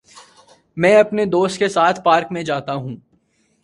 میں اپنے دوست کے ساتھ پارک میں جاتا ہوں۔